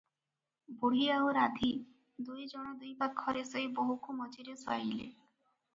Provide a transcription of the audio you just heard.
ବୁଢୀ ଆଉ ରାଧୀ ଦୁଇ ଜଣ ଦୁଇ ପାଖରେ ଶୋଇ ବୋହୂକୁ ମଝିରେ ଶୁଆଇଲେ ।